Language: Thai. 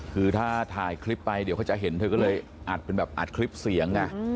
คือถ้าถ่ายคลิปไปเดี๋ยวเขาจะเห็นเธอก็เลยอัดเป็นแบบอัดคลิปเสียง